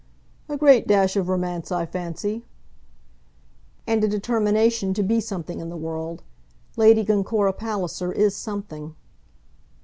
"A great dash of romance, I fancy." "And a determination to be something in the world. Lady Glencora Palliser is something."